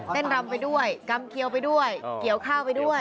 รำไปด้วยกำเขียวไปด้วยเกี่ยวข้าวไปด้วย